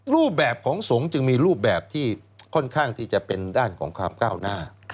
รูปแบบของสงฆ์จึงมีรูปแบบที่ค่อนข้างที่จะเป็นด้านของความก้าวหน้า